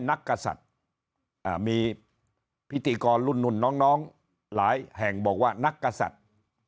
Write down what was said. นักกษัตริย์มีพิธีกรรุ่นน้องหลายแห่งบอกว่านักกษัตริย์